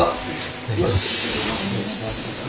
いただきます。